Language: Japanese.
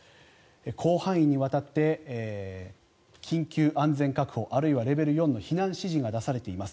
広範囲にわたって緊急安全確保あるいはレベル４の避難指示が出されています。